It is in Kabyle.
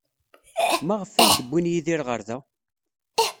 Maɣef ay d-wwin Yidir ɣer da?